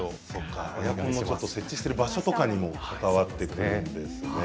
エアコンの設置してる場所とかにも関わってくるんですね。